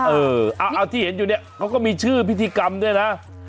เออเอาที่เห็นอยู่เนี่ยเขาก็มีชื่อพิธีกรรมด้วยนะ